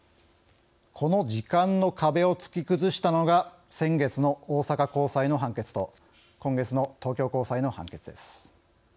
この時間の壁を突き崩したのが先月の大阪高裁の判決と今月の東京高裁の判決です。